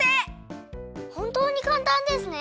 ほんとうにかんたんですね。